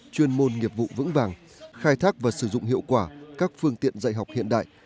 chuyên môn nghiệp vụ vững vàng khai thác và sử dụng hiệu quả các phương tiện dạy học hiện đại